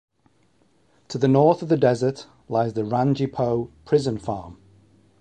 To the north of the desert lies the Rangipo prison farm.